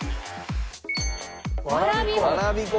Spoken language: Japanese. わらび粉。